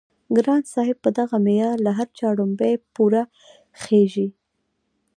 ګران صاحب په دغه معيار له هر چا وړومبی پوره خيژي